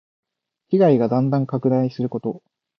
被害がだんだん拡大すること。